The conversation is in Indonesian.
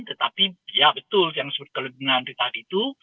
tetapi ya betul yang sebut kelebihan dari tadi itu